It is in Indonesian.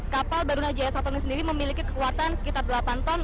kapal barunajaya satu ini sendiri memiliki kekuatan sekitar delapan ton